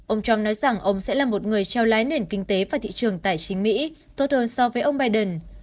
ông trump nói rằng ông sẽ là một người trao lái nền kinh tế và thị trường tài chính mỹ tốt hơn so với ông biden